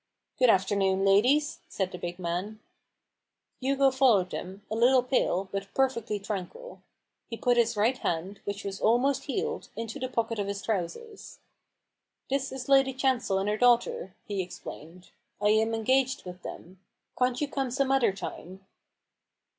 (f Good afternoon, ladies/' said the big man. 178 A BOOK OF BARGAINS. Hugo followed them, a little pale, but perfectly tranquil. He put his right hand, which was almost healed, into the pocket of his trousers. " This is Lady Chancel and her daughter," he explained ;" I am engaged with them. Can't you come some other time?"